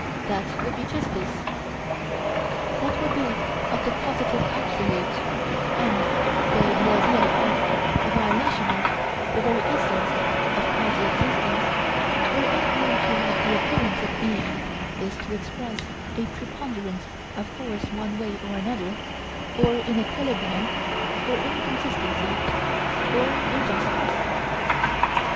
That would be justice. That would be of the Positive Absolute, and, though the ideal of, a violation of, the very essence of quasi existence, wherein only to have the appearance of being is to express a preponderance of force one way or another or inequilibrium, or inconsistency, or injustice.